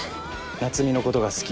夏海のことが好き。